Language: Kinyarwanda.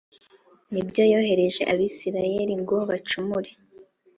n’ibyo yoheje Abisirayeli ngo bacumure